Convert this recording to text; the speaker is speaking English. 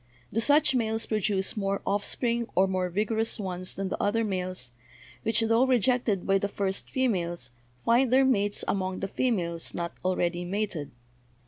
Do such males produce more offspring or more vigorous ones than the other males, which, tho rejected by the first females, find their mates among the females not already mated?